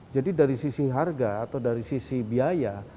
jadi dari sisi harga atau dari sisi biaya